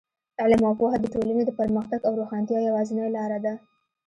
علم او پوهه د ټولنې د پرمختګ او روښانتیا یوازینۍ لاره ده.